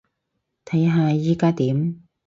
睇下依加點